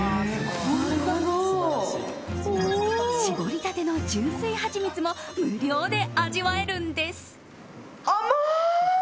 搾りたての純粋ハチミツも無料で味わえるんです。